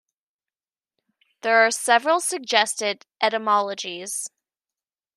There are several suggested etymologies.